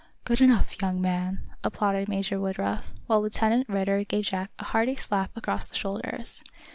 "Good enough, young man," applauded Major Woodruff, while Lieutenant Ridder gave Jack a hearty slap across the shoulders.